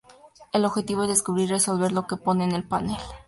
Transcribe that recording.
El objetivo es descubrir y resolver lo que pone en el panel.